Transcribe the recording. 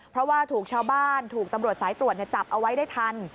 เพราะว่าถูกชาวบ้านถูกตำรวจสายตรวจจับเอาไว้ได้ทัน